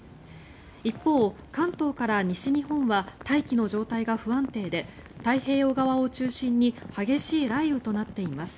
一方、関東から西日本は大気の状態が不安定で太平洋側を中心に激しい雷雨となっています。